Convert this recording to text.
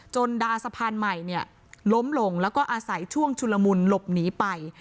ดาสะพานใหม่เนี่ยล้มลงแล้วก็อาศัยช่วงชุลมุนหลบหนีไป